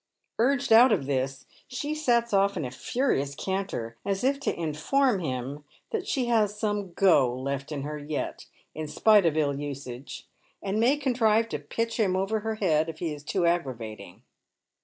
Urged out of this, she sets off in a furious canter, as if to inform him that she has some " go " left in her yet, in spite of ill usage, and may contrive to pitch him over her head if he is too aggravating.